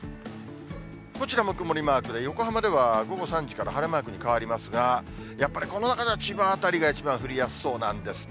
こちらも曇りマークで、横浜では午後３時から晴れマークに変わりますが、やっぱりこの中では千葉辺りが一番降りやすそうなんですね。